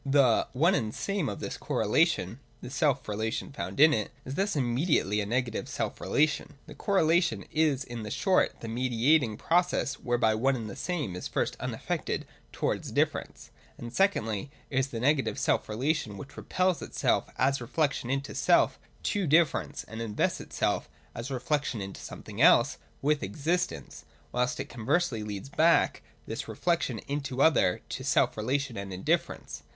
136.J (/3) The one and same of this correlation (the self relation found in it) is thus immediately a negative self relation. The correlation is in short the mediating process whereby one and the same is first unaffected towards difference, and secondly is the negative self relation, which repels itself as reflection into self to differ ence, and invests itself (as reflection into something else) with existence, whilst it conversely leads back this re flection into other to self relation and indifference.